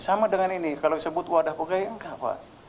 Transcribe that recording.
sama dengan ini kalau disebut wadah pegawai enggak pak